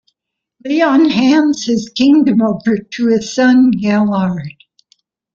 Leon hands his kingdom over to his son, Gellard.